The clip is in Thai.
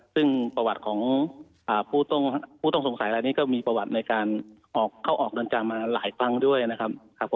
ซึ่งประวัติของผู้ต้องสงสัยอะไรนี้ก็มีประวัติในการเข้าออกเรือนจำมาหลายครั้งด้วยนะครับ